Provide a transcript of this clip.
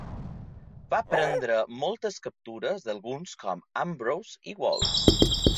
Va prendre moltes captures d'alguns com Ambrose i Walsh.